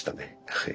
はい。